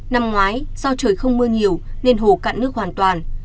năm ngoái do trời không mưa nhiều nên hồ cạn nước hoàn toàn